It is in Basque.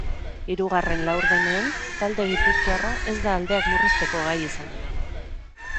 Hirugarren laurdenean, talde gipuzkoarra ez da aldeak murrizteko gai izan.